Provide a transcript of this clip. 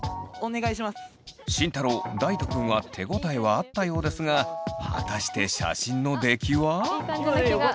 慎太郎大翔くんは手応えはあったようですが果たして写真の出来は？いい感じな気が。